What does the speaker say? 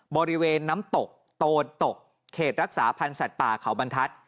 บริเวณน้ำตกโตตกเขตรักษาพันธ์สัตว์ป่าเขาบรรทัศน